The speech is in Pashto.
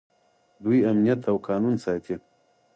دوی امنیت او قانون ساتي.